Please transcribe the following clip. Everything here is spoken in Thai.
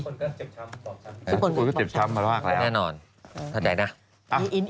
ทุกคนก็เจ็บช้ำมาวากแล้วแน่นอนเข้าใจนะ